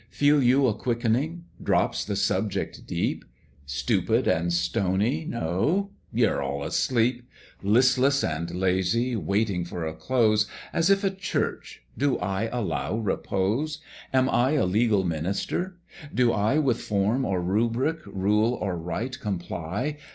Feel you a quickening? drops the subject deep? Stupid and stony, no! you're all asleep; Listless and lazy, waiting for a close, As if at church; do I allow repose? Am I a legal minister? do I With form or rubric, rule or rite comply?